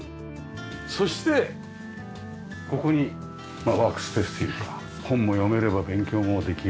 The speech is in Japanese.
そしてここにワークスペースというか本も読めれば勉強もできる。